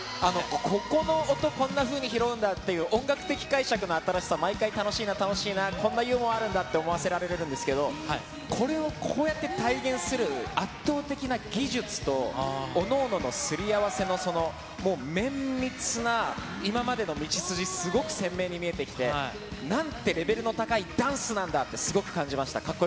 ここの音、こんなふうに拾うんだって、音楽的解釈の新しさ、毎回、楽しいな、楽しいな、こんなユーモアあるんだって思わせられるんですけど、これを超えて体現する圧倒的な技術と、おのおののすり合わせの、もう綿密な今までの道筋、すごく鮮明に見えてきて、なんてレベルの高いダンスなんだってすごく感じました。